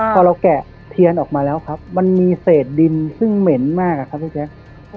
พอเราแกะเทียนออกมาแล้วครับมันมีเศษดินซึ่งเหม็นมากอะครับพี่แจ๊ค